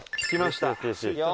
着きました。